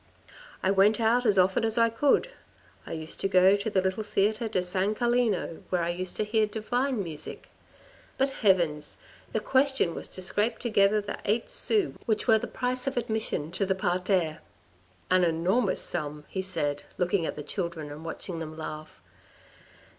I went out as often as I could. I used to go to the little Theatre de San Carlino, where I used to hear divine music. But heavens ! the question was to scrape together the eight sous which were the price of admission to the parterre ? An enormous sum," he said, looking at the children and watching them laugh.